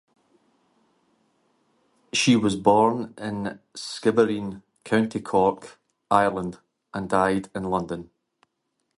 She was born in Skibbereen, County Cork, Ireland, and died in London.